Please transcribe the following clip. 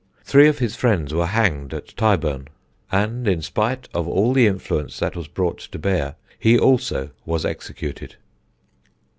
Three of his friends were hanged at Tyburn, and, in spite of all the influence that was brought to bear, he also was executed.